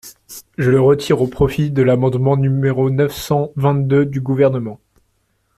Je le retire au profit de l’amendement numéro neuf cent vingt-deux du Gouvernement.